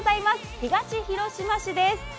東広島市です。